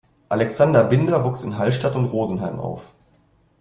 Alexander Binder wuchs in Hallstatt und Rosenheim auf.